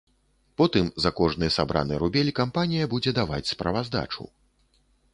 Потым за кожны сабраны рубель кампанія будзе даваць справаздачу.